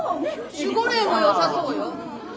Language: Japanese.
守護霊もよさそうよ。